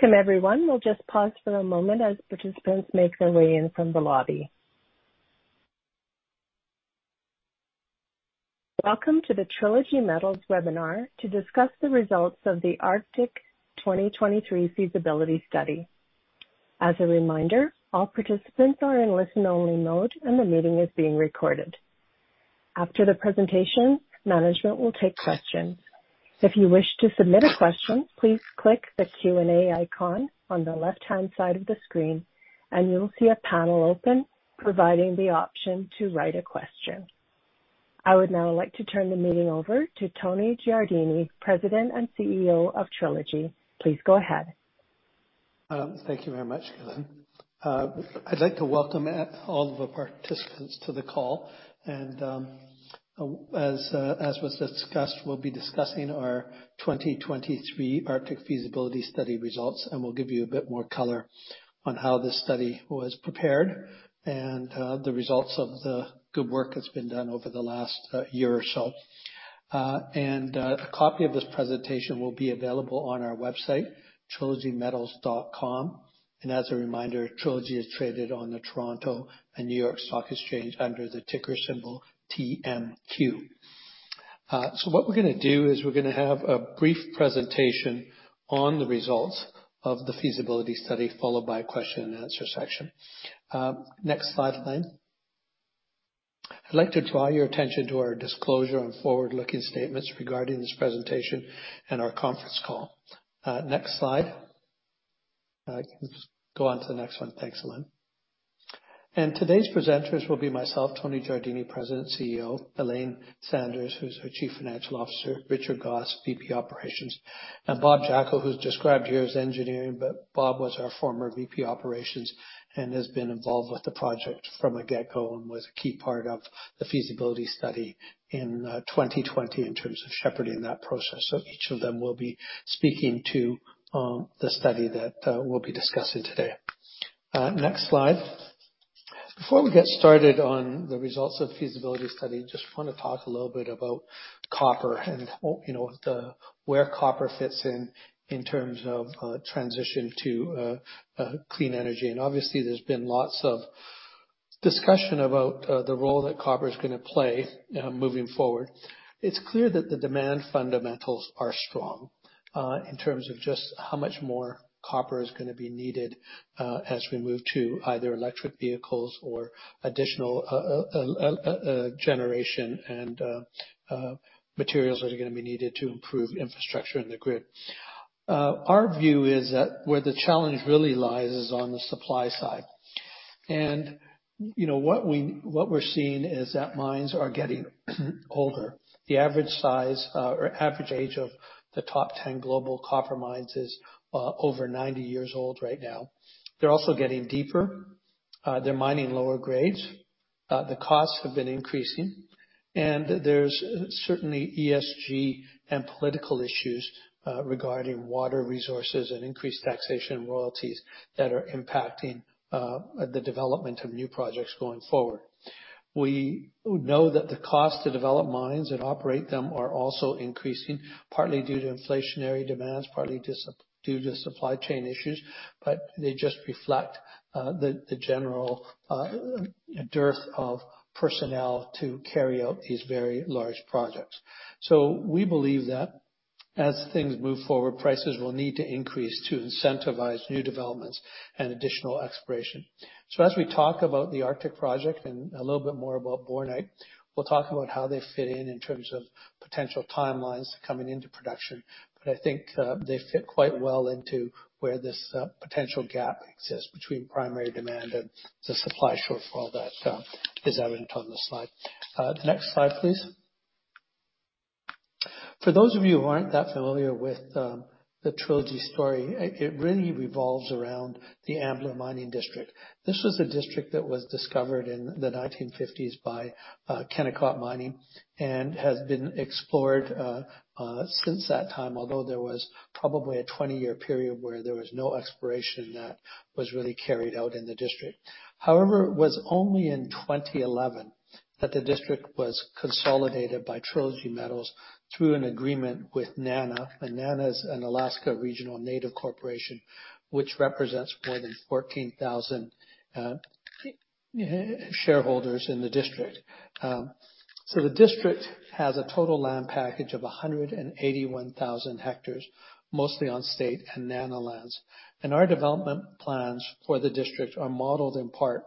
Welcome, everyone. We'll just pause for a moment as participants make their way in from the lobby. Welcome to the Trilogy Metals webinar to discuss the results of the Arctic 2023 feasibility study. As a reminder, all participants are in listen-only mode, and the meeting is being recorded. After the presentation, management will take questions. If you wish to submit a question, please click the Q&A icon on the left-hand side of the screen, and you'll see a panel open, providing the option to write a question. I would now like to turn the meeting over to Tony Giardini, President and CEO of Trilogy. Please go ahead. Thank you very much, Lynn. I'd like to welcome all the participants to the call. As was discussed, we'll be discussing our 2023 Arctic feasibility study results, and we'll give you a bit more color on how this study was prepared and the results of the good work that's been done over the last year or so. A copy of this presentation will be available on our website, trilogymetals.com. As a reminder, Trilogy is traded on the Toronto Stock Exchange and New York Stock Exchange under the ticker symbol TMQ. What we're gonna do is we're gonna have a brief presentation on the results of the feasibility study, followed by a question and answer section. Next slide, Lynn. I'd like to draw your attention to our disclosure on forward-looking statements regarding this presentation and our conference call. Next slide. You can just go on to the next one. Thanks, Lynn. Today's presenters will be myself, Tony Giardini, President, CEO. Elaine Sanders, who's our Chief Financial Officer. Richard Gosse, VP Operations. Bob Jacko, who's described here as engineering, but Bob was our former VP Operations and has been involved with the project from the get-go and was a key part of the feasibility study in 2020 in terms of shepherding that process. Each of them will be speaking to the study that we'll be discussing today. Next slide. Before we get started on the results of the feasibility study, just wanna talk a little bit about copper and, you know, where copper fits in in terms of a transition to a clean energy. Obviously, there's been lots of discussion about the role that copper is gonna play moving forward. It's clear that the demand fundamentals are strong in terms of just how much more copper is gonna be needed as we move to either electric vehicles or additional generation and materials that are gonna be needed to improve infrastructure in the grid. Our view is that where the challenge really lies is on the supply side. You know, what we're seeing is that mines are getting older. The average size, or average age of the top 10 global copper mines is over 90 years old right now. They're also getting deeper. They're mining lower grades. The costs have been increasing, and there's certainly ESG and political issues regarding water resources and increased taxation royalties that are impacting the development of new projects going forward. We know that the cost to develop mines and operate them are also increasing, partly due to inflationary demands, partly just due to supply chain issues. They just reflect the general dearth of personnel to carry out these very large projects. We believe that as things move forward, prices will need to increase to incentivize new developments and additional exploration. As we talk about the Arctic project and a little bit more about Bornite, we'll talk about how they fit in terms of potential timelines coming into production. I think they fit quite well into where this potential gap exists between primary demand and the supply shortfall that is evident on this slide. Next slide, please. For those of you who aren't that familiar with the Trilogy story, it really revolves around the Ambler Mining District. This was a district that was in the 1950s by Kennecott Mining and has been explored since that time. Although there was probably a 20-year period where there was no exploration that was really carried out in the district. However, it was only in 2011 that the district was consolidated by Trilogy Metals through an agreement with NANA. NANA is an Alaska Native Regional Corporation, which represents more than 14,000 shareholders in the district. The district has a total land package of 181,000 hectares, mostly on state and NANA lands. Our development plans for the district are modeled in part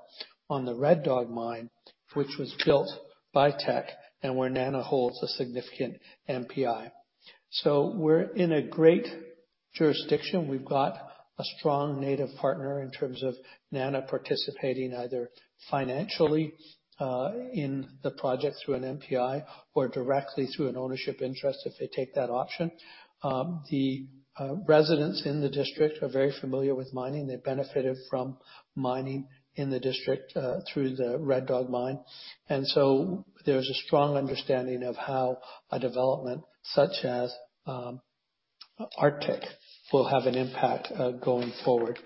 on the Red Dog mine, which was built by Teck and where NANA holds a significant MPI. We're in a great jurisdiction. We've got a strong native partner in terms of NANA participating either financially in the project through an MPI or directly through an ownership interest if they take that option. The residents in the district are very familiar with mining. They benefited from mining in the district through the Red Dog mine. There's a strong understanding of how a development such as Arctic will have an impact going forward.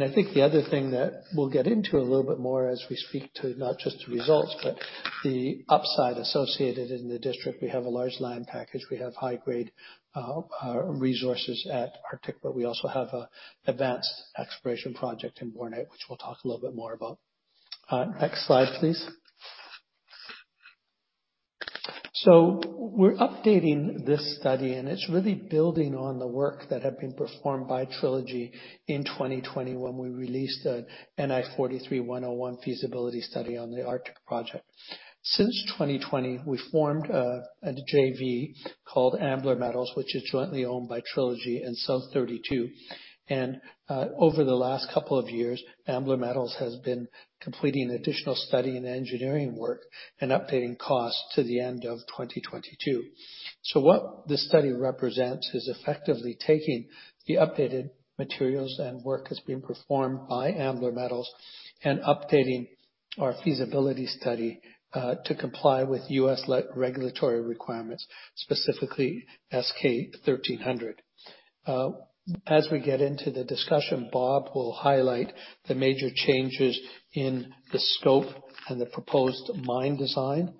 I think the other thing that we'll get into a little bit more as we speak to not just the results, but the upside associated in the district. We have a large land package. We have high grade resources at Arctic, but we also have an advanced exploration project in Bornite, which we'll talk a little bit more about. Next slide, please. We're updating this study, and it's really building on the work that had been performed by Trilogy in 2020 when we released a NI 43-101 feasibility study on the Arctic project. Since 2020, we formed a JV called Ambler Metals, which is jointly owned by Trilogy and South32. Over the last couple of years, Ambler Metals has been completing additional study and engineering work and updating costs to the end of 2022. What this study represents is effectively taking the updated materials and work that's being performed by Ambler Metals and updating our feasibility study to comply with U.S. regulatory requirements, specifically S-K 1300. As we get into the discussion, Bob will highlight the major changes in the scope and the proposed mine design.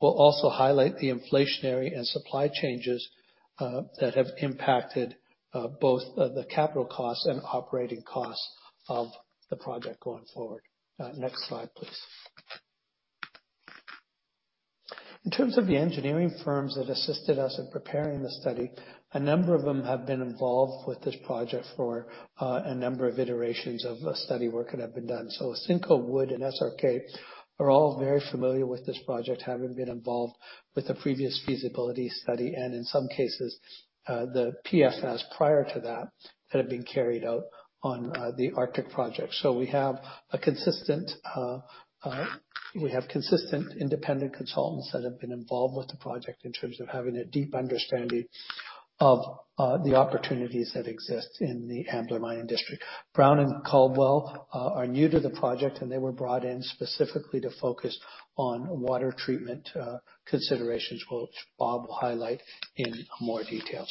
We'll also highlight the inflationary and supply changes that have impacted both the capital costs and operating costs of the project going forward. Next slide, please. In terms of the engineering firms that assisted us in preparing the study, a number of them have been involved with this project for a number of iterations of study work that have been done. Cinco, Wood, and SRK are all very familiar with this project, having been involved with the previous feasibility study and in some cases, the PFS prior to that have been carried out on, the Arctic project. We have consistent independent consultants that have been involved with the project in terms of having a deep understanding of, the opportunities that exist in the Ambler Mining District. Brown and Caldwell are new to the project, and they were brought in specifically to focus on water treatment, considerations, which Bob will highlight in more details.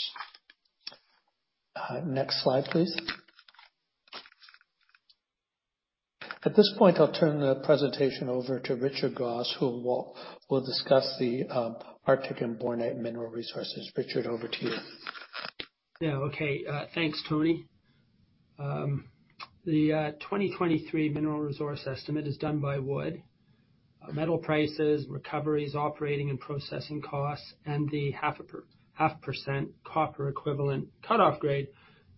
Next slide, please. At this point, I'll turn the presentation over to Richard Gosse, who will discuss the Arctic and Bornite mineral resources. Richard, over to you. Yeah. Okay. Thanks, Tony. The 2023 mineral resource estimate is done by Wood. Metal prices, recoveries, operating and processing costs, and the 0.5% copper equivalent cut-off grade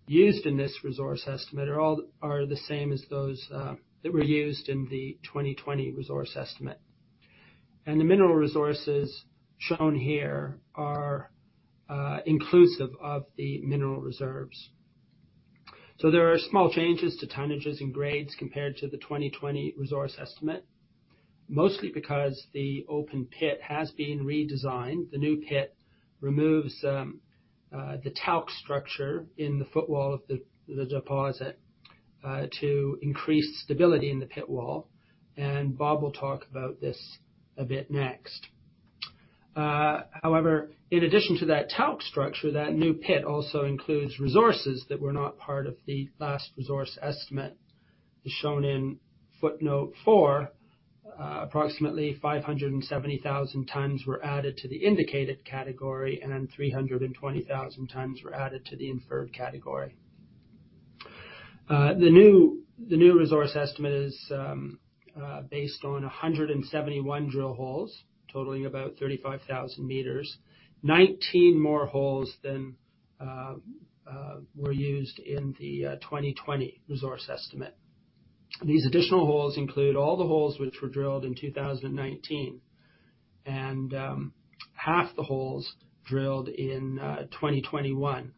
used in this resource estimate are all the same as those that were used in the 2020 resource estimate. The mineral resources shown here are inclusive of the mineral reserves. There are small changes to tonnages and grades compared to the 2020 resource estimate, mostly because the open pit has been redesigned. The new pit removes the talc structure in the footwall of the deposit to increase stability in the pit wall. Bob will talk about this a bit next. However, in addition to that talc structure, that new pit also includes resources that were not part of the last resource estimate. As shown in footnote 4, approximately 570,000 tons were added to the indicated category, and then 320,000 tons were added to the inferred category. The new resource estimate is based on 171 drill holes, totaling about 35,000 meters, 19 more holes than were used in the 2020 resource estimate. These additional holes include all the holes which were drilled in 2019, and half the holes drilled in 2021,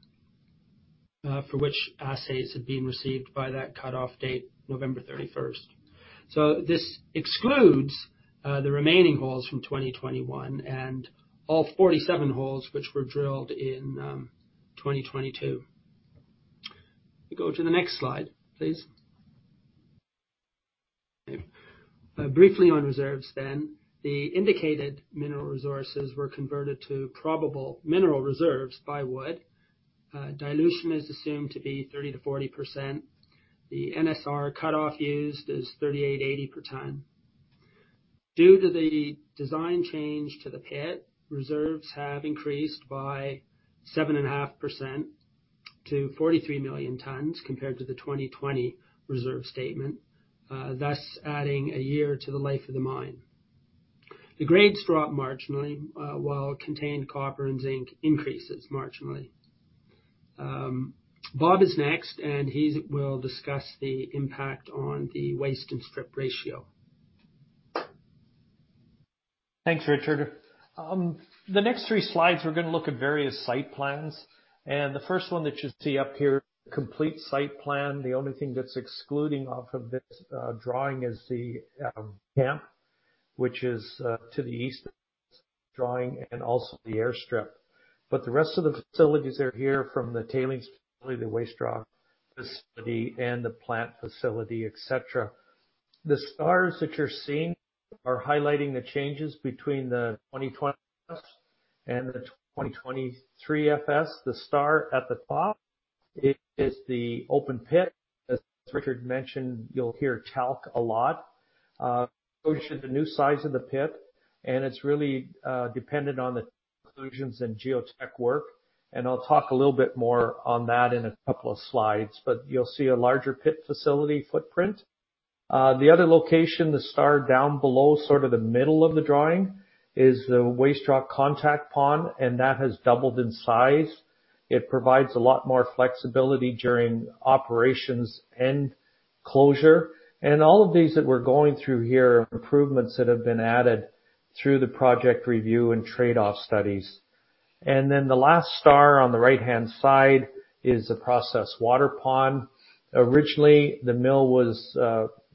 for which assays had been received by that cutoff date, November 31st. This excludes the remaining holes from 2021 and all 47 holes which were drilled in 2022. We go to the next slide, please. Briefly on reserves then. The indicated mineral resources were converted to probable mineral reserves by Wood. Dilution is assumed to be 30%-40%. The NSR cutoff used is $38.80 per ton. Due to the design change to the pit, reserves have increased by 7.5% to 43 million tons compared to the 2020 reserve statement, thus adding a year to the life of the mine. The grades drop marginally, while contained copper and zinc increases marginally. Bob is next, and he will discuss the impact on the waste and strip ratio. Thanks, Richard. The next three slides, we're gonna look at various site plans. The first one that you see up here is the complete site plan. The only thing that's excluded from this drawing is the camp, which is to the east of this drawing and also the airstrip. The rest of the facilities are here from the tailings facility, the waste rock facility, and the plant facility, et cetera. The stars that you're seeing are highlighting the changes between the 2020 FS and the 2023 FS. The star at the top is the open pit. As Richard mentioned, you'll hear talk a lot. It shows you the new size of the pit, and it's really dependent on the conclusions and geotech work. I'll talk a little bit more on that in a couple of slides, but you'll see a larger pit facility footprint. The other location, the star down below, sort of the middle of the drawing is the waste rock contact pond, and that has doubled in size. It provides a lot more flexibility during operations and closure. All of these that we're going through here are improvements that have been added through the project review and trade-off studies. Then the last star on the right-hand side is the process water pond. Originally, the mill was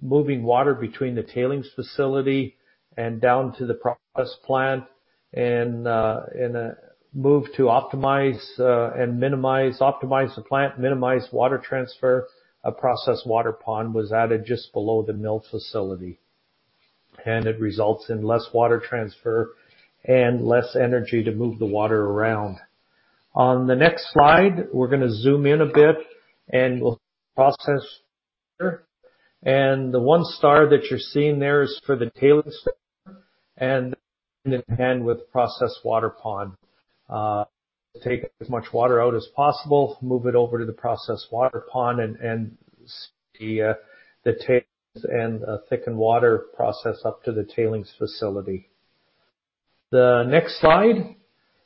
moving water between the tailings facility and down to the process plant. To optimize the plant and minimize water transfer, a process water pond was added just below the mill facility. It results in less water transfer and less energy to move the water around. On the next slide, we're gonna zoom in a bit and we'll process. The one star that you're seeing there is for the tailings thickener and in tandem with the process water pond. Take as much water out as possible, move it over to the process water pond and the thickened tailings up to the tailings facility. The next slide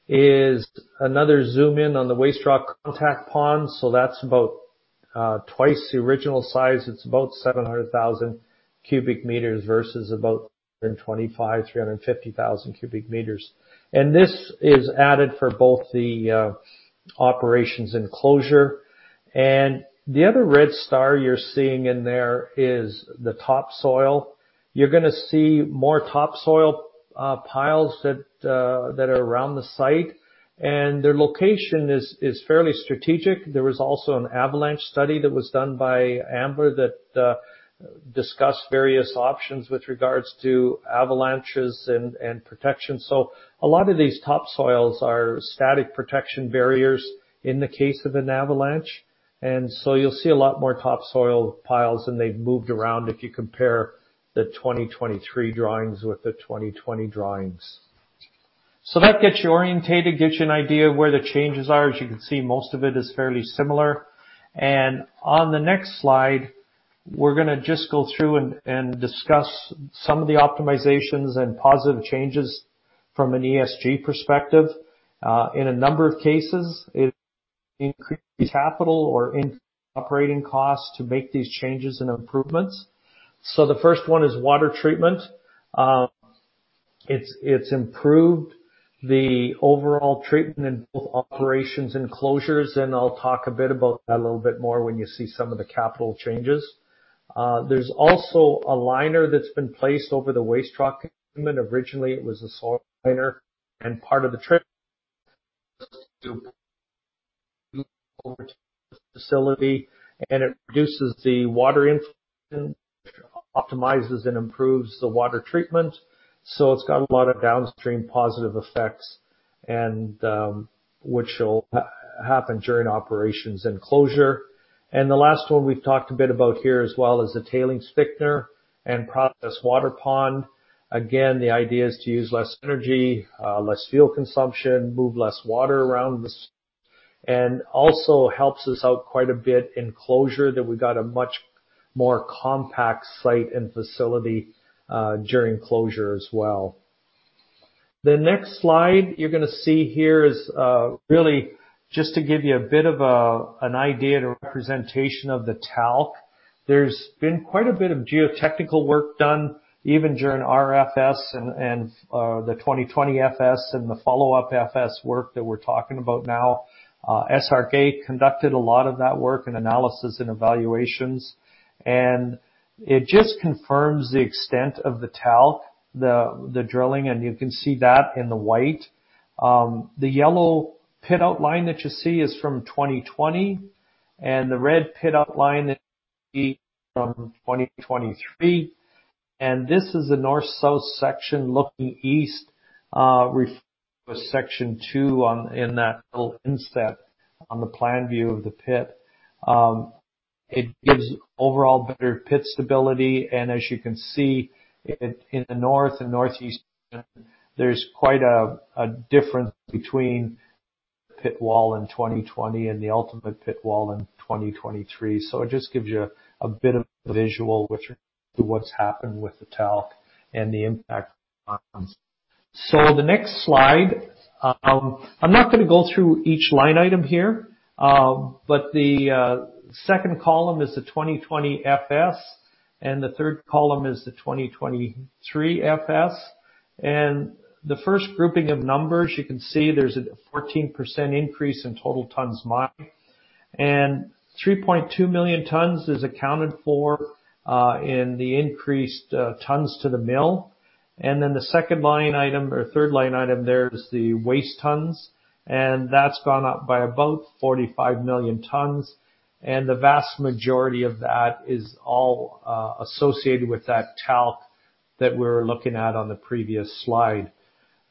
is another zoom in on the waste rock contact pond. That's about twice the original size. It's about 700,000 cubic meters versus about 225,000-350,000 cubic meters. This is added for both the operations and closure. The other red star you're seeing in there is the topsoil. You're gonna see more topsoil piles that are around the site, and their location is fairly strategic. There was also an avalanche study that was done by Ambler that discussed various options with regards to avalanches and protection. A lot of these topsoils are strategic protection barriers in the case of an avalanche. You'll see a lot more topsoil piles, and they've moved around if you compare the 2023 drawings with the 2020 drawings. That gets you orientated, gets you an idea of where the changes are. As you can see, most of it is fairly similar. On the next slide, we're gonna just go through and discuss some of the optimizations and positive changes from an ESG perspective. In a number of cases, it increased capital or operating costs to make these changes and improvements. The first one is water treatment. It's improved the overall treatment in both operations and closures, and I'll talk a bit about that a little bit more when you see some of the capital changes. There's also a liner that's been placed over the waste rock. Originally, it was a soil liner and part of the trip facility, and it reduces the water infiltration, optimizes and improves the water treatment. It's got a lot of downstream positive effects and which will happen during operations and closure. The last one we've talked a bit about here as well is the tailings thickener and process water pond. Again, the idea is to use less energy, less fuel consumption, move less water around. Also helps us out quite a bit in closure that we got a much more compact site and facility during closure as well. The next slide you're gonna see here is really just to give you a bit of an idea, the representation of the talc. There's been quite a bit of geotechnical work done even during RFS and the 2020 FS and the follow-up FS work that we're talking about now. SRK conducted a lot of that work and analysis and evaluations, and it just confirms the extent of the talc, the drilling, and you can see that in the white. The yellow pit outline that you see is from 2020, and the red pit outline that you see from 2023. This is the north-south section looking east, with section two on in that little inset on the plan view of the pit. It gives overall better pit stability. As you can see, it in the north and northeast, there's quite a difference between pit wall in 2020 and the ultimate pit wall in 2023. It just gives you a bit of a visual with what's happened with the talc and the impact. The next slide, I'm not gonna go through each line item here, but the second column is the 2020 FS and the third column is the 2023 FS. The first grouping of numbers, you can see there's a 14% increase in total tons mined, and 3.2 million tons is accounted for in the increased tons to the mill. The second line item or third line item there is the waste tons, and that's gone up by about 45 million tons. The vast majority of that is all associated with that talc that we were looking at on the previous slide.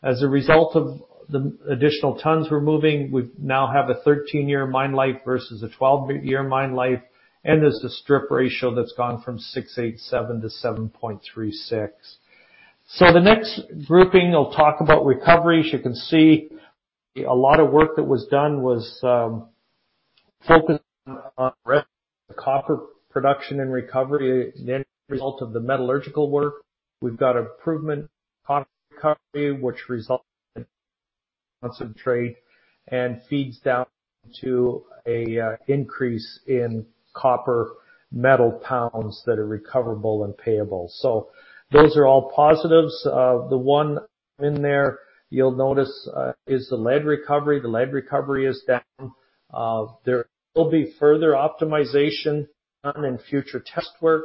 As a result of the additional tons we're moving, we now have a 13-year mine life versus a 12-year mine life, and there's a strip ratio that's gone from 6.87 to 7.36. The next grouping, I'll talk about recoveries. You can see a lot of work that was done was focused on copper production and recovery. The end result of the metallurgical work, we've got improved copper recovery, which results in concentrate and feeds down to an increase in copper metal pounds that are recoverable and payable. Those are all positives. The one in there you'll notice is the lead recovery. The lead recovery is down. There will be further optimization done in future test work.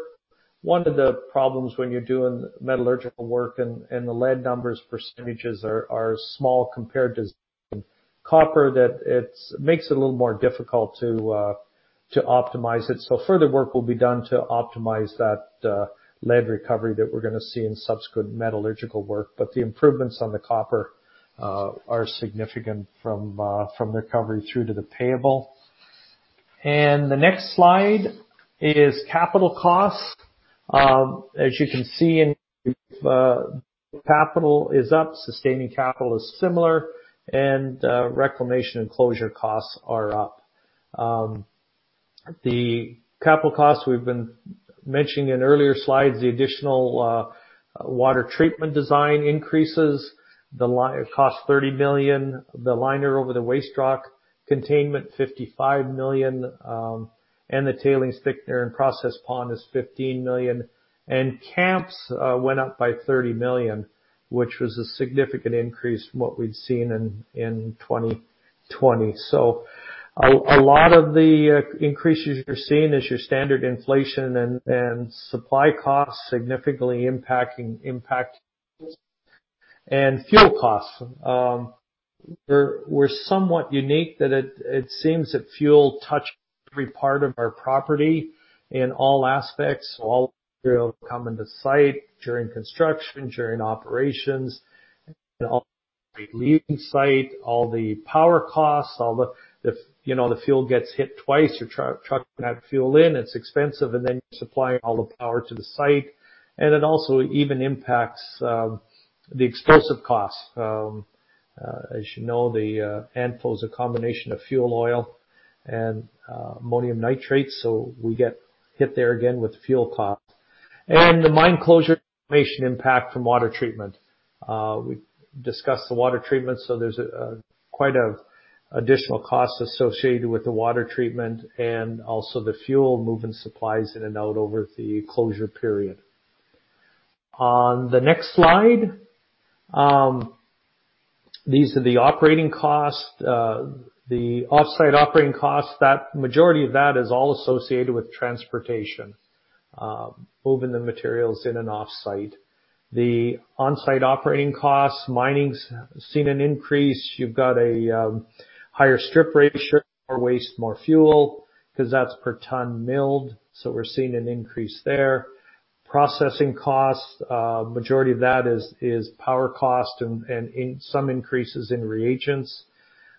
One of the problems when you're doing metallurgical work and the lead numbers percentages are small compared to copper, that it makes it a little more difficult to optimize it. Further work will be done to optimize that lead recovery that we're gonna see in subsequent metallurgical work. The improvements on the copper are significant from recovery through to the payable. The next slide is capital costs. As you can see, capital is up, sustaining capital is similar, and reclamation and closure costs are up. The capital costs we've been mentioning in earlier slides, the additional water treatment design increases cost $30 million, the liner over the waste rock containment $55 million, and the tailings thickener and process pond is $15 million. Camps went up by $30 million, which was a significant increase from what we'd seen in 2020. A lot of the increases you're seeing is your standard inflation and supply costs significantly impacting. Fuel costs. We're somewhat unique that it seems that fuel touches every part of our property in all aspects, all coming to site during construction, during operations, and all leaving site, all the power costs, all the, you know, the fuel gets hit twice. You're trucking that fuel in, it's expensive, and then you're supplying all the power to the site. It also even impacts the explosive costs. As you know, ANFO is a combination of fuel oil and ammonium nitrate, so we get hit there again with fuel costs. The mine closure information impact from water treatment. We discussed the water treatment, so there's quite of additional costs associated with the water treatment and also the fuel moving supplies in and out over the closure period. On the next slide, these are the operating costs. The offsite operating costs, the majority of that is all associated with transportation, moving the materials in and off site. The on-site operating costs, mining's seen an increase. You've got a higher strip ratio or waste more fuel 'cause that's per ton milled, so we're seeing an increase there. Processing costs, majority of that is power cost and in some increases in reagents.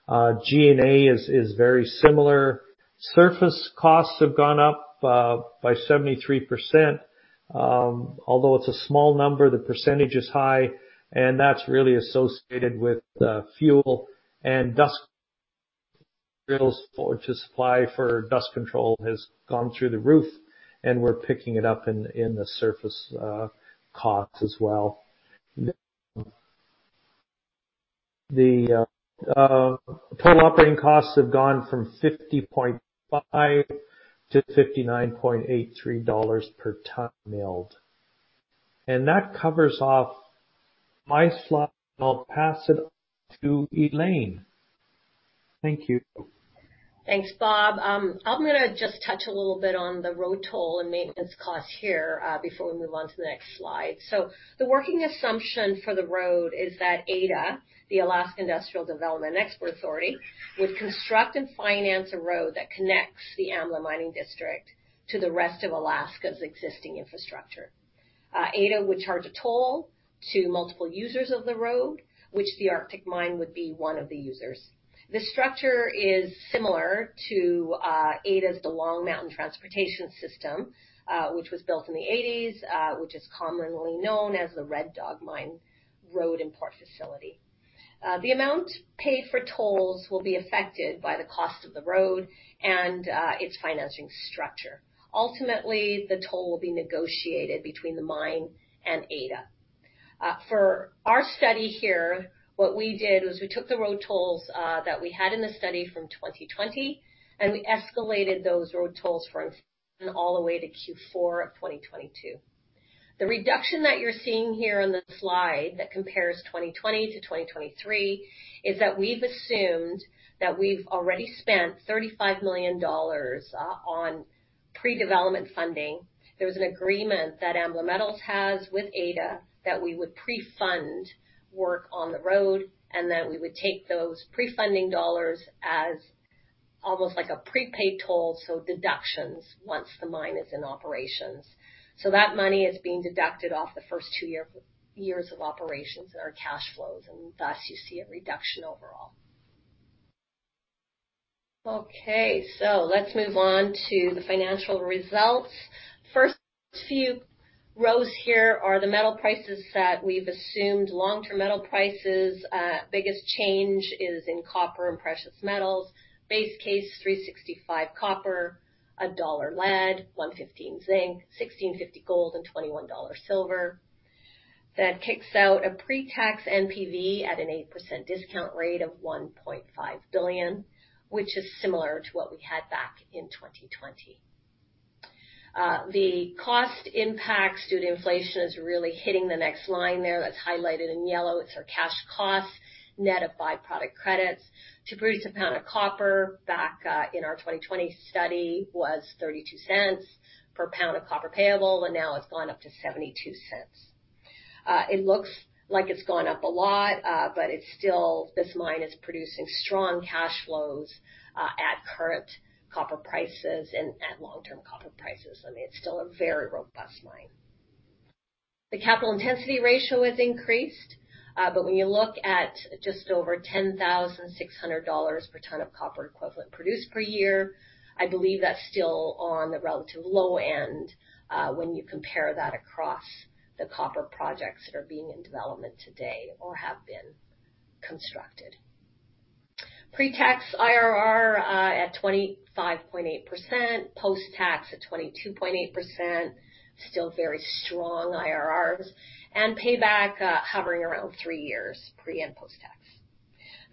G&A is very similar. Surface costs have gone up by 73%. Although it's a small number, the percentage is high, and that's really associated with fuel and diesel for dust control has gone through the roof, and we're picking it up in the surface costs as well. The total operating costs have gone from $50.5 to $59.83 per ton milled. That covers off my slide. I'll pass it to Elaine. Thank you. Thanks, Bob. I'm gonna just touch a little bit on the road toll and maintenance costs here before we move on to the next slide. The working assumption for the road is that AIDEA, the Alaska Industrial Development and Export Authority, would construct and finance a road that connects the Ambler Mining District to the rest of Alaska's existing infrastructure. AIDEA would charge a toll to multiple users of the road, which the Ambler Mine would be one of the users. This structure is similar to AIDEA's DeLong Mountain Transportation System, which was built in the 1980s, which is commonly known as the Red Dog Mine road and port facility. The amount paid for tolls will be affected by the cost of the road and its financing structure. Ultimately, the toll will be negotiated between the mine and AIDEA. For our study here, what we did was we took the road tolls that we had in the study from 2020, and we escalated those road tolls all the way to Q4 of 2022. The reduction that you're seeing here on the slide that compares 2020 to 2023 is that we've assumed that we've already spent $35 million on pre-development funding. There was an agreement that Ambler Metals has with AIDEA that we would pre-fund work on the road, and that we would take those pre-funding dollars as almost like a prepaid toll, so deductions once the mine is in operations. That money is being deducted off the first two years of operations in our cash flows, and thus you see a reduction overall. Okay, let's move on to the financial results. First few rows here are the metal prices that we've assumed, long-term metal prices. Biggest change is in copper and precious metals. Base case, $3.65 copper, $1 lead, $1.15 zinc, $16.50 gold, and $21 silver. That kicks out a pre-tax NPV at an 8% discount rate of $1.5 billion, which is similar to what we had back in 2020. The cost impacts due to inflation is really hitting the next line there. That's highlighted in yellow. It's our cash costs net of byproduct credits. To produce a pound of copper back in our 2020 study was $0.32 per pound of copper payable, and now it's gone up to $0.72. It looks like it's gone up a lot, but it's still... This mine is producing strong cash flows at current copper prices and at long-term copper prices. I mean, it's still a very robust mine. The capital intensity ratio has increased, but when you look at just over $10,600 per ton of copper equivalent produced per year, I believe that's still on the relative low end, when you compare that across the copper projects that are being in development today or have been constructed. Pre-tax IRR at 25.8%, post-tax at 22.8%, still very strong IRRs. Payback hovering around 3 years pre- and post-tax.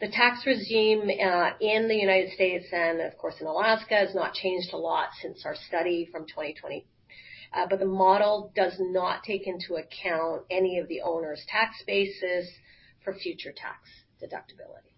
The tax regime in the U.S. and, of course, in Alaska, has not changed a lot since our study from 2020. The model does not take into account any of the owner's tax basis for future tax deductibility.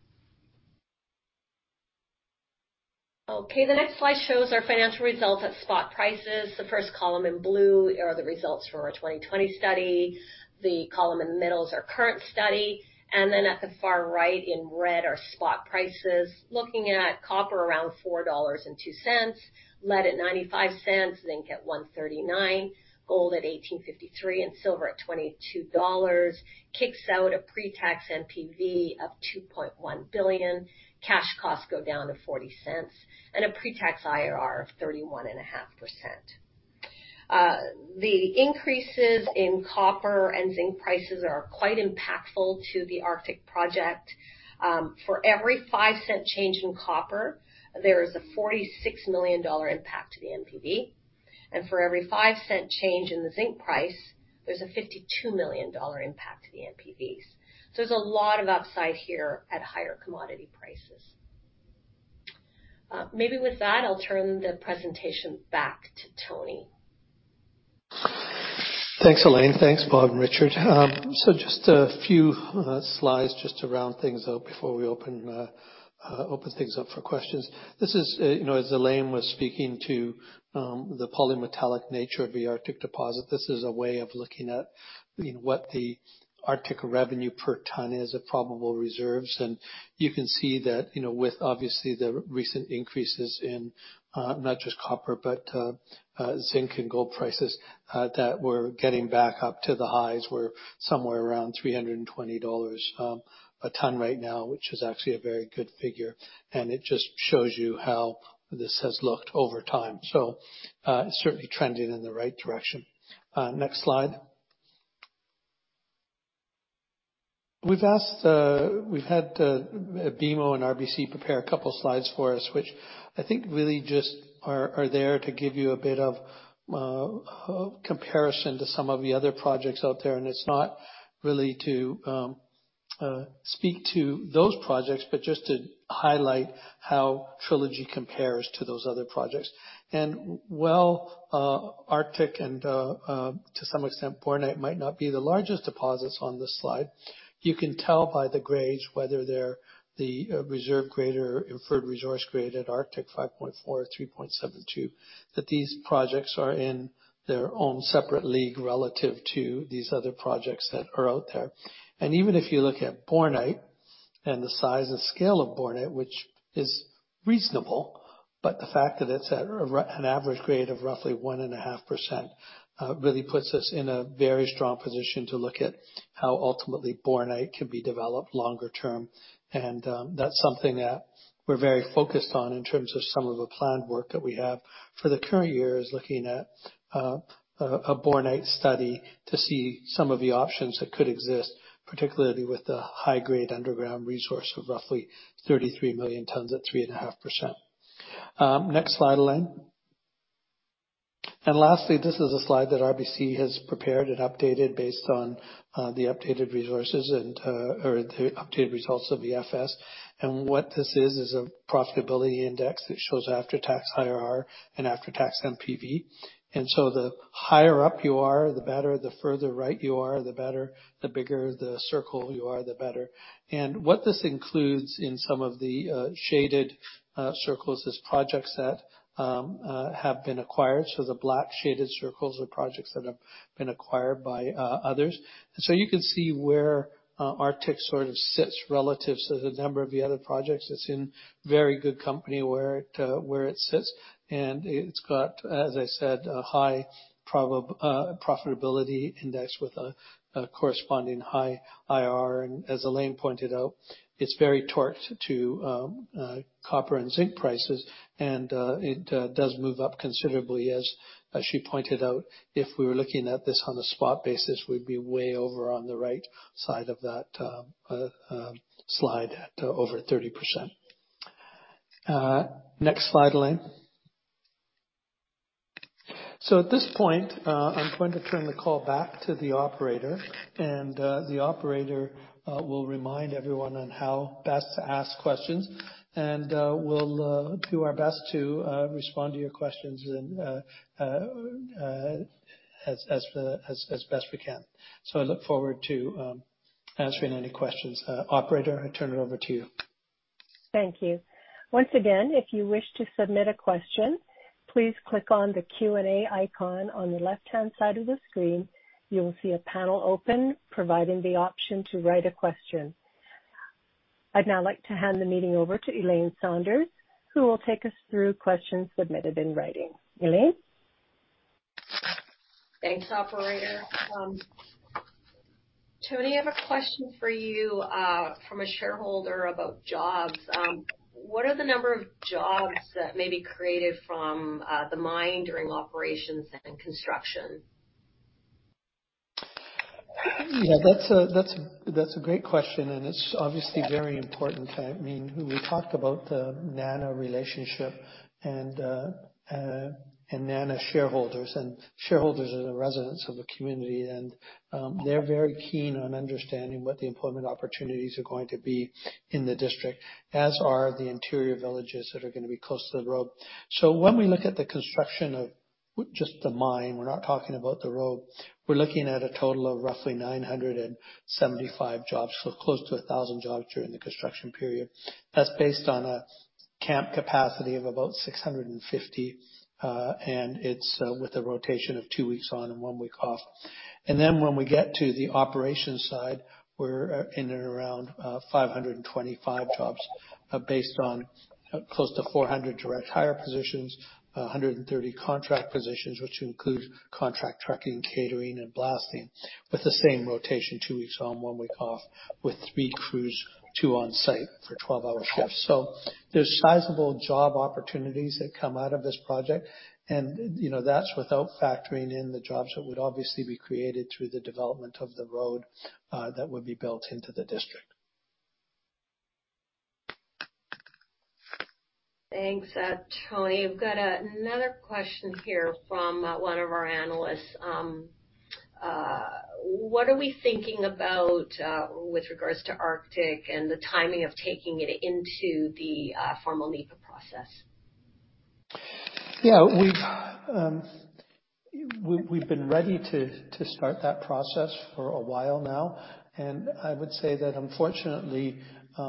Okay, the next slide shows our financial results at spot prices. The first column in blue are the results from our 2020 study. The column in the middle is our current study. At the far right in red are spot prices. Looking at copper around $4.02, lead at $0.95, zinc at $1.39, gold at $1,853, and silver at $22 kicks out a pre-tax NPV of $2.1 billion. Cash costs go down to $0.40, and a pre-tax IRR of 31.5%. The increases in copper and zinc prices are quite impactful to the Arctic project. For every 5-cent change in copper, there is a $46 million impact to the NPV. For every 5-cent change in the zinc price, there's a $52 million impact to the NPVs. There's a lot of upside here at higher commodity prices. Maybe with that, I'll turn the presentation back to Tony. Thanks, Elaine. Thanks, Bob and Richard. Just a few slides just to round things up before we open things up for questions. This is, you know, as Elaine was speaking to, the polymetallic nature of the Arctic deposit, this is a way of looking at, you know, what the Arctic revenue per ton is of probable reserves. You can see that, you know, with obviously the recent increases in, not just copper, but, zinc and gold prices, that we're getting back up to the highs. We're somewhere around $320 a ton right now, which is actually a very good figure. It just shows you how this has looked over time. Certainly trending in the right direction. Next slide. We've had BMO and RBC prepare a couple slides for us, which I think really just are there to give you a bit of comparison to some of the other projects out there. It's not really to speak to those projects, but just to highlight how Trilogy compares to those other projects. While Arctic and to some extent, Bornite, might not be the largest deposits on this slide, you can tell by the grades whether they're the reserve grade or inferred resource grade at Arctic 5.4, 3.72, that these projects are in their own separate league relative to these other projects that are out there. Even if you look at Bornite and the size and scale of Bornite, which is reasonable, but the fact that it's at an average grade of roughly 1.5%, really puts us in a very strong position to look at how ultimately Bornite can be developed longer term. That's something that we're very focused on in terms of some of the planned work that we have. For the current year, is looking at a Bornite study to see some of the options that could exist, particularly with the high grade underground resource of roughly 33 million tons at 3.5%. Next slide, Elaine. Lastly, this is a slide that RBC has prepared and updated based on the updated resources and or the updated results of the FS. What this is a profitability index that shows after-tax IRR and after-tax NPV. The higher up you are, the better, the further right you are, the better, the bigger the circle you are, the better. What this includes in some of the shaded circles is projects that have been acquired. The black shaded circles are projects that have been acquired by others. You can see where Arctic sort of sits relative to the number of the other projects. It's in very good company where it sits, and it's got, as I said, a high profitability index with a corresponding high IRR. As Elaine pointed out, it's very torqued to copper and zinc prices, and it does move up considerably, as she pointed out. If we were looking at this on a spot basis, we'd be way over on the right side of that slide at over 30%. Next slide, Elaine. At this point, I'm going to turn the call back to the operator, and the operator will remind everyone on how best to ask questions. We'll do our best to respond to your questions as best we can. I look forward to answering any questions. Operator, I turn it over to you. Thank you. Once again, if you wish to submit a question, please click on the Q&A icon on the left-hand side of the screen. You will see a panel open providing the option to write a question. I'd now like to hand the meeting over to Elaine Sanders, who will take us through questions submitted in writing. Elaine? Thanks, operator. Tony, I have a question for you, from a shareholder about jobs. What are the number of jobs that may be created from, the mine during operations and construction? Yeah, that's a great question, and it's obviously very important. I mean, we talk about the NANA relationship and NANA shareholders. Shareholders are the residents of the community, and they're very keen on understanding what the employment opportunities are going to be in the district, as are the interior villages that are gonna be close to the road. When we look at the construction of just the mine, we're not talking about the road, we're looking at a total of roughly 975 jobs, so close to 1,000 jobs during the construction period. That's based on a camp capacity of about 650, and it's with a rotation of two weeks on and one week off. When we get to the operations side, we're in and around 525 jobs, based on close to 400 direct hire positions, 130 contract positions, which include contract trucking, catering, and blasting, with the same rotation, two weeks on, one week off, with three crews, two on-site for 12-hour shifts. There's sizable job opportunities that come out of this project and, you know, that's without factoring in the jobs that would obviously be created through the development of the road, that would be built into the district. Thanks, Tony. I've got another question here from one of our analysts. What are we thinking about with regards to Arctic and the timing of taking it into the formal NEPA process? Yeah. We've been ready to start that process for a while now, and I would say that unfortunately,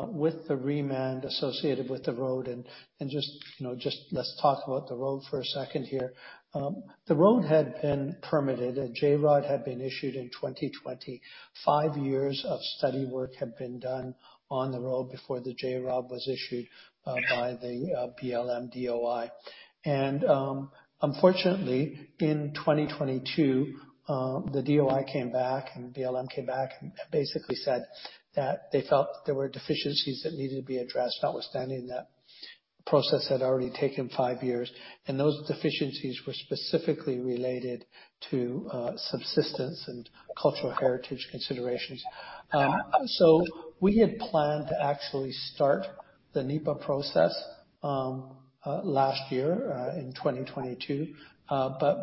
with the remand associated with the road and just, you know, let's talk about the road for a second here. The road had been permitted. A JROD had been issued in 2020. Five years of study work had been done on the road before the JROD was issued by the BLM DOI. Unfortunately, in 2022, the DOI came back and BLM came back and basically said that they felt there were deficiencies that needed to be addressed, notwithstanding that process had already taken five years. Those deficiencies were specifically related to subsistence and cultural heritage considerations. We had planned to actually start the NEPA process last year, in 2022.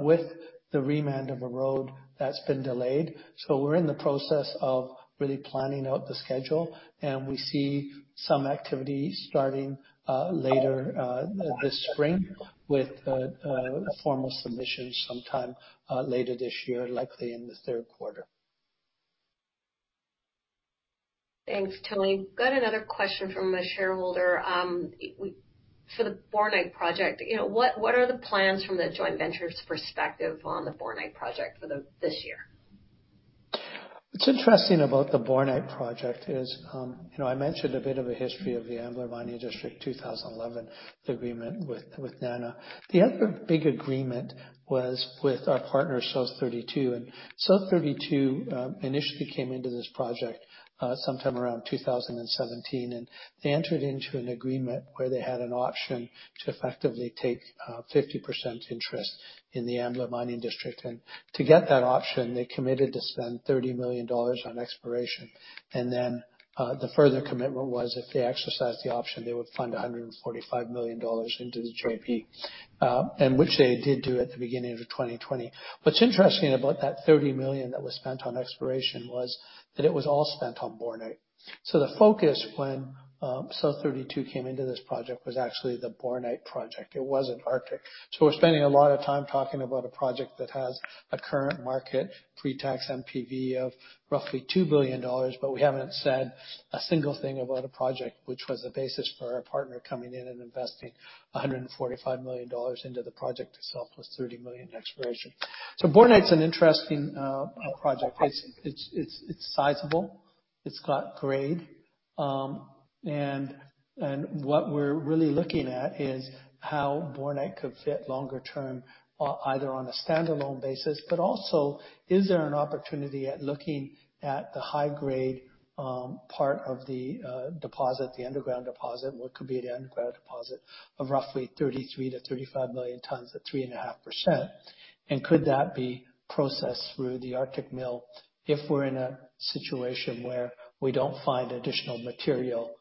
with the remand of a road, that's been delayed. We're in the process of really planning out the schedule, and we see some activity starting later this spring with a formal submission sometime later this year, likely in the third quarter. Thanks, Tony. Got another question from a shareholder. For the Bornite project, you know, what are the plans from the joint venture's perspective on the Bornite project for this year? What's interesting about the Bornite project is, you know, I mentioned a bit of a history of the Ambler Mining District 2011 agreement with NANA. The other big agreement was with our partner, South32. South32 initially came into this project sometime around 2017, and they entered into an agreement where they had an option to effectively take 50% interest in the Ambler Mining District. To get that option, they committed to spend $30 million on exploration. Then the further commitment was if they exercise the option, they would fund $145 million into the JV, and which they did do at the beginning of 2020. What's interesting about that $30 million that was spent on exploration was that it was all spent on Bornite. The focus when South32 came into this project was actually the Bornite project. It wasn't Arctic. We're spending a lot of time talking about a project that has a current market pre-tax NPV of roughly $2 billion, but we haven't said a single thing about a project which was the basis for our partner coming in and investing $145 million into the project itself, plus $30 million in exploration. Bornite is an interesting project. It's sizable, it's got grade, and what we're really looking at is how Bornite could fit longer term, either on a standalone basis, but also is there an opportunity at looking at the high grade part of the deposit, the underground deposit. What could be the underground deposit of roughly 33-35 million tons at 3.5%. Could that be processed through the Arctic mill if we're in a situation where we don't find additional material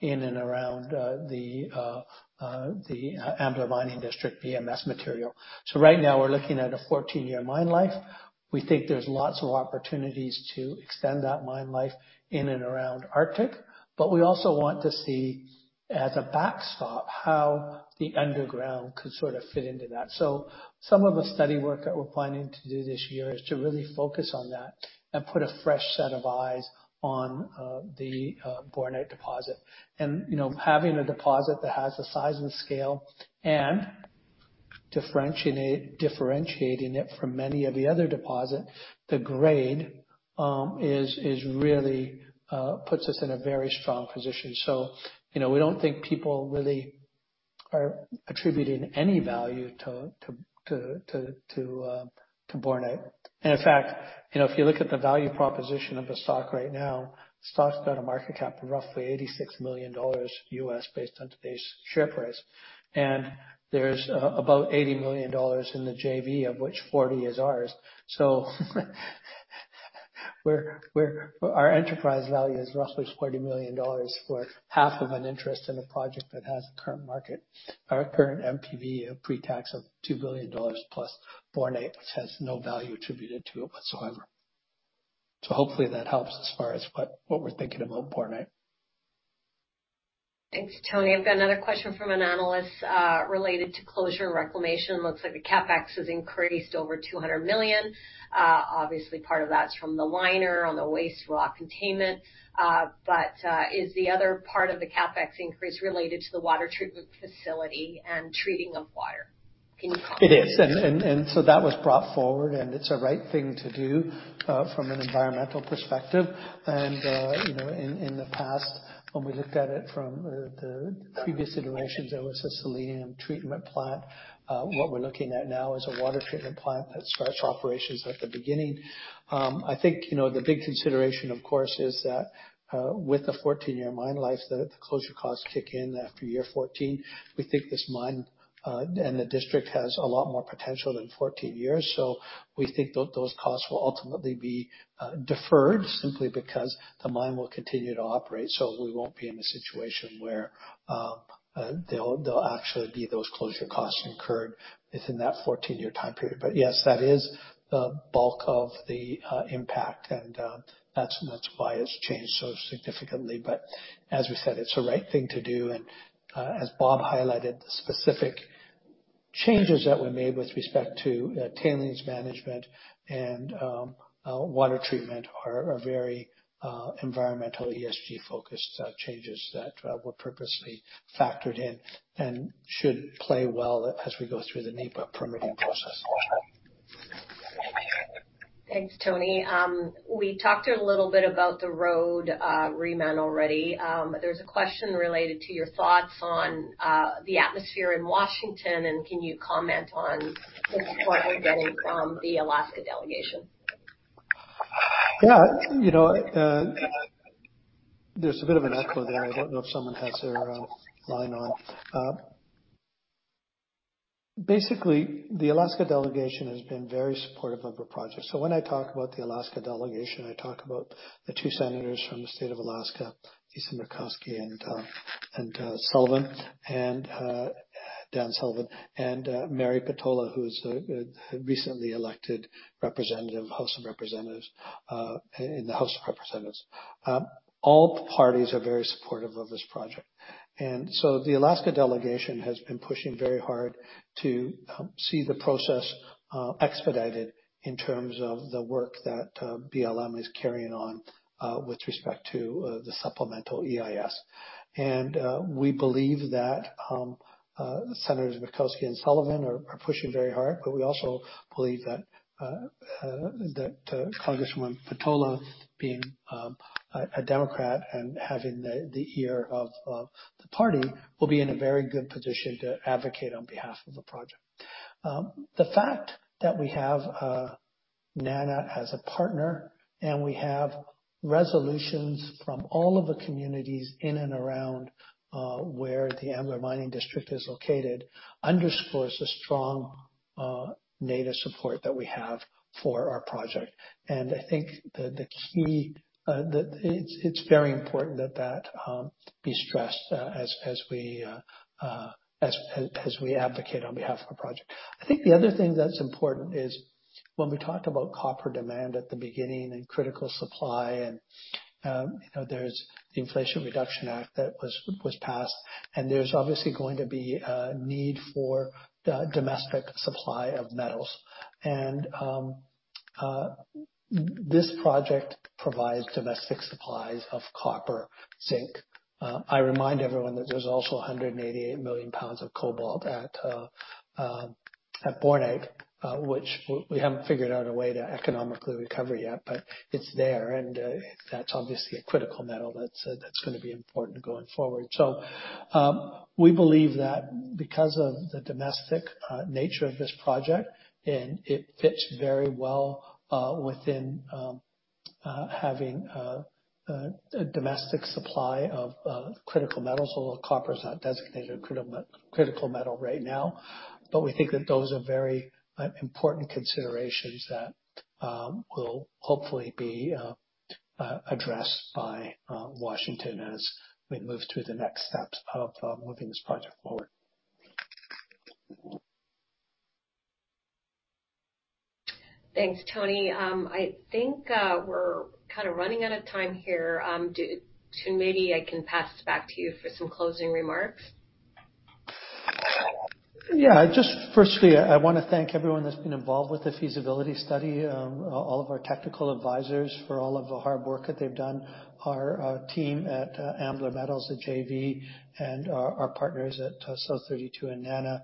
in and around the Ambler Mining District VMS material. Right now we're looking at a 14-year mine life. We think there's lots of opportunities to extend that mine life in and around Arctic, but we also want to see, as a backstop, how the underground could sort of fit into that. Some of the study work that we're planning to do this year is to really focus on that and put a fresh set of eyes on the Bornite deposit. You know, having a deposit that has the size and scale and differentiating it from many of the other deposit, the grade is really puts us in a very strong position. You know, we don't think people really are attributing any value to Bornite. In fact, you know, if you look at the value proposition of the stock right now, stock's got a market cap of roughly $86 million based on today's share price. There's about $80 million in the JV, of which 40% is ours. Our enterprise value is roughly $40 million for half of an interest in a project that has a current market or a current NPV of pre-tax of $2 billion, plus Bornite, which has no value attributed to it whatsoever. Hopefully that helps as far as what we're thinking about Bornite. Thanks, Tony. I've got another question from an analyst related to closure and reclamation. Looks like the CapEx has increased over $200 million. Obviously part of that's from the liner on the waste rock containment. But is the other part of the CapEx increase related to the water treatment facility and treating of water? Can you comment? It is. That was brought forward, and it's the right thing to do from an environmental perspective. You know, in the past, when we looked at it from the previous iterations, there was a selenium treatment plant. What we're looking at now is a water treatment plant that starts operations at the beginning. I think you know, the big consideration, of course, is that with the 14-year mine life, the closure costs kick in after year 14. We think this mine and the district has a lot more potential than 14 years. We think those costs will ultimately be deferred simply because the mine will continue to operate. We won't be in a situation where there'll actually be those closure costs incurred within that 14-year time period. Yes, that is the bulk of the impact, and that's why it's changed so significantly. As we said, it's the right thing to do. As Bob highlighted, the specific changes that were made with respect to tailings management and water treatment are very environmental ESG-focused changes that were purposely factored in and should play well as we go through the NEPA permitting process. Thanks, Tony. We talked a little bit about the road, remand already. There's a question related to your thoughts on the atmosphere in Washington, and can you comment on the support we're getting from the Alaska delegation? Yeah. You know, there's a bit of an echo there. I don't know if someone has their line on. Basically, the Alaska delegation has been very supportive of the project. When I talk about the Alaska delegation, I talk about the two senators from the state of Alaska, Lisa Murkowski and Dan Sullivan, and Mary Peltola, who's the recently elected representative in the House of Representatives. All parties are very supportive of this project. The Alaska delegation has been pushing very hard to see the process expedited in terms of the work that BLM is carrying on with respect to the supplemental EIS. We believe that Senators Murkowski and Sullivan are pushing very hard, but we also believe that Congresswoman Peltola, being a Democrat and having the ear of the party, will be in a very good position to advocate on behalf of the project. The fact that we have NANA as a partner and we have resolutions from all of the communities in and around where the Ambler Mining District is located underscores the strong native support that we have for our project. I think the key that it's very important that be stressed as we advocate on behalf of a project. I think the other thing that's important is. When we talk about copper demand at the beginning and critical supply and, you know, there's the Inflation Reduction Act that was passed, and there's obviously going to be a need for the domestic supply of metals. This project provides domestic supplies of copper, zinc. I remind everyone that there's also 188 million pounds of cobalt at Bornite, which we haven't figured out a way to economically recover yet, but it's there, and that's obviously a critical metal that's gonna be important going forward. We believe that because of the domestic nature of this project, and it fits very well within having a domestic supply of critical metals. Although copper is not designated a critical metal right now. We think that those are very important considerations that will hopefully be addressed by Washington as we move through the next steps of moving this project forward. Thanks, Tony. I think we're kinda running out of time here, Tony, maybe I can pass it back to you for some closing remarks. Yeah. Just firstly, I wanna thank everyone that's been involved with the feasibility study, all of our technical advisors for all of the hard work that they've done, our team at Ambler Metals JV, and our partners at South32 and NANA.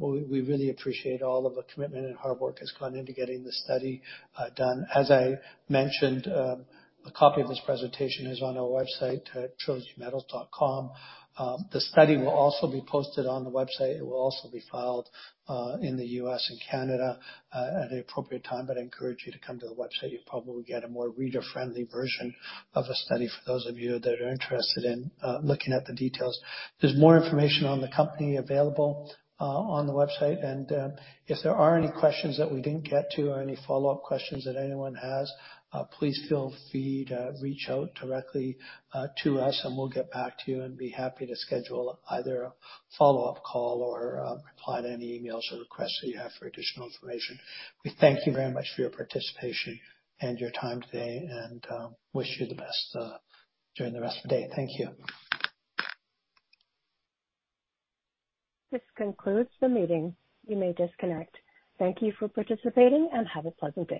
We really appreciate all of the commitment and hard work that's gone into getting the study done. As I mentioned, a copy of this presentation is on our website at trilogymetals.com. The study will also be posted on the website. It will also be filed in the U.S. and Canada at the appropriate time, but I encourage you to come to the website. You'll probably get a more reader-friendly version of the study for those of you that are interested in looking at the details. There's more information on the company available on the website. If there are any questions that we didn't get to or any follow-up questions that anyone has, please feel free to reach out directly to us, and we'll get back to you and be happy to schedule either a follow-up call or reply to any emails or requests that you have for additional information. We thank you very much for your participation and your time today, and wish you the best during the rest of the day. Thank you. This concludes the meeting. You may disconnect. Thank you for participating, and have a pleasant day.